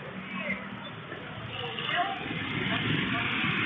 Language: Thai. ที่แรกว่า